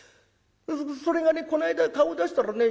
それがねこの間顔出したらね